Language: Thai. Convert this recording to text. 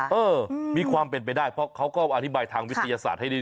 เออมีความเป็นไปได้เพราะเขาก็อธิบายทางวิทยาศาสตร์ให้ดี